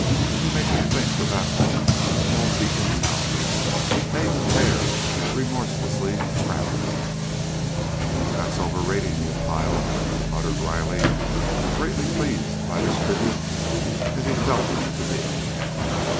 You make me think of that hawk. All beak and talons, made to tear, remorseless, crafty." "That's overrating me a pile," muttered Riley, greatly pleased by this tribute, as he felt it to be.